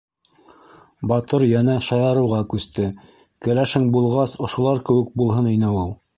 Батыр йәнә шаярыуға күсте: «Кәләшең булғас, ошолар кеүек булһын ине ул!»